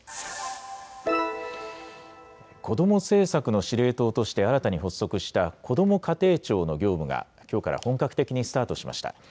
子ども政策の司令塔として新たに発足したこども家庭庁の業務が、きょうから本格的にスタートしました。